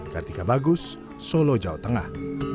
kartika bagus solo jawa tengah